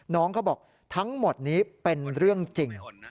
น้องเขาบอกทั้งหมดนี้เป็นเรื่องจริง